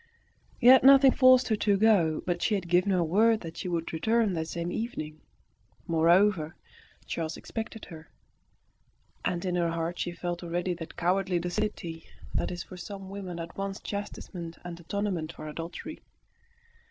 Yet nothing forced her to go; but she had given her word that she would return that same evening. Moreover, Charles expected her, and in her heart she felt already that cowardly docility that is for some women at once the chastisement and atonement of adultery.